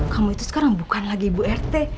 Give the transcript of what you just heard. kamu itu sekarang bukan lagi ibu rt